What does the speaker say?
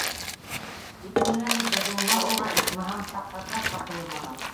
Тик ниңәлер БДУ-ла уға, исмаһам, таҡтаташ та ҡуйылмаған.